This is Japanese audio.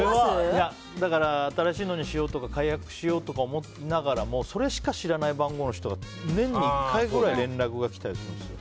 だから新しいのにしようとか解約しようと思いながらもそれしか知らない番号の人が年に１回ぐらい連絡が来たりするんですよ。